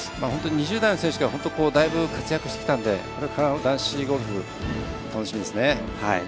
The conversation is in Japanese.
２０代の選手がだいぶ活躍してきたのでこれから男子ゴルフ楽しみですね。